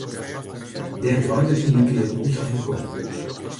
Dêr draait it yn de kearn úteinlik om.